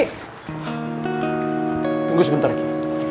tunggu sebentar lagi